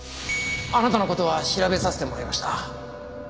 あなたの事は調べさせてもらいました。